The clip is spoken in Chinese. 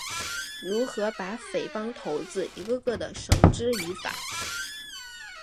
如何把匪帮头子一个个地绳之于法？